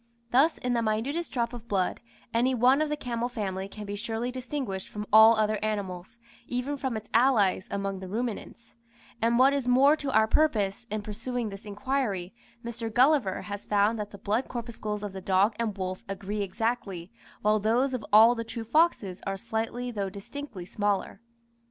Thus, in the minutest drop of blood, any one of the camel family can be surely distinguished from all other animals, even from its allies among the ruminants; and what is more to our purpose, in pursuing this inquiry, Mr. Gulliver has found that the blood corpuscles of the dog and wolf agree exactly, while those of all the true foxes are slightly though distinctly smaller.